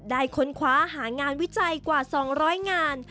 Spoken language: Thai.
ค้นคว้าหางานวิจัยกว่า๒๐๐งาน